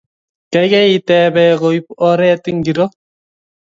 geigei itebee kuip oret ngiro